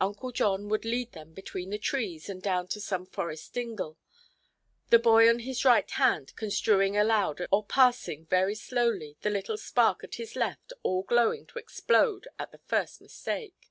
Uncle John would lead them between the trees and down to some forest dingle, the boy on his right hand construing aloud or parsing very slowly, the little spark at his left all glowing to explode at the first mistake.